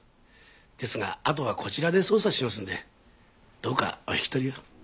ですがあとはこちらで捜査しますのでどうかお引き取りを。